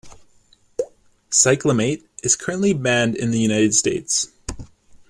Cyclamate is currently banned in the United States.